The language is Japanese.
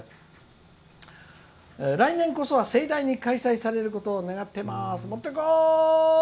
「来年こそは盛大に開催されることを願ってます。